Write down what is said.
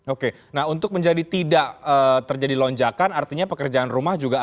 oke nah untuk menjadi tidak terjadi lonjakan artinya pekerjaan rumah juga ada